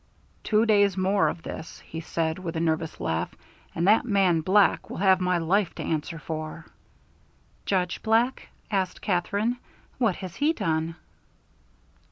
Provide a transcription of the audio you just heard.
"Two days more of this," he said, with a nervous laugh, "and that man Black will have my life to answer for." "Judge Black?" asked Katherine. "What has he done?"